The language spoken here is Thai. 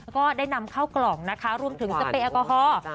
ก็ได้นำเข้ากล่องนะคะรวมถึงสเปรยแอลกอฮอล์